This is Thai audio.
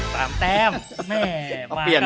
สามแต้มแม่มากันเล่นเลย